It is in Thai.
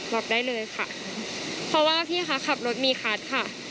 ล็อกได้เลยค่ะเพราะว่าพี่คะขับรถมีคัทค่ะ